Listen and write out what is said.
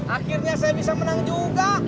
akhirnya saya bisa menang juga